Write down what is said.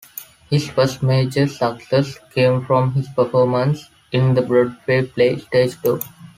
His first major success came from his performance in the Broadway play "Stage Door".